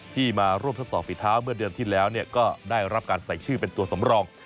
ที่มาร่วมทดสอบฝีเท้าเมื่อเดือนที่แล้วก็ได้รับการใส่ชื่อเป็นตัวสำรอง